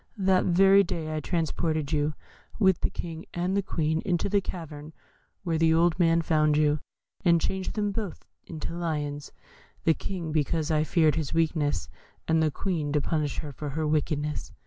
That very day I transported you, with the King and the Queen, into the cavern where the old man found you, and changed them both into Lions. The King because I feared his weakness, and the Queen to punish her for her wickedness.